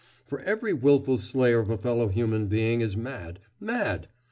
For every willful slayer of a fellow human being is mad mad....